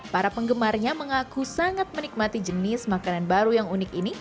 para penggemarnya mengaku sangat menikmati jenis makanan baru yang unik ini